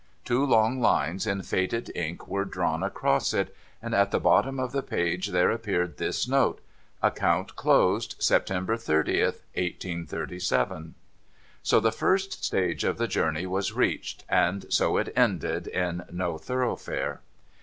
Two long lines, in faded ink, were drawn across it ; and at the bottom of the page there appeared this note :' Account closed, September 30th, 1837.' So the first stage of the journey was reached — and so it ended in No Thoroughfare